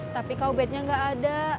tapi kaubetnya gak ada